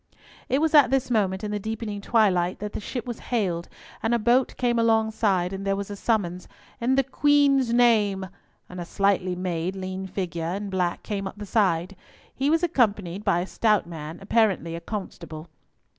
It was at this moment, in the deepening twilight, that the ship was hailed, and a boat came alongside, and there was a summons, "In the Queen's name," and a slightly made lean figure in black came up the side. He was accompanied by a stout man, apparently a constable.